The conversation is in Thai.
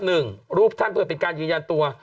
รูปท่านเพื่อเป็นการยืนยันตัว